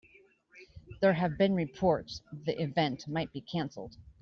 There have been reports the event might be canceled.